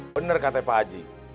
bener kata pak haji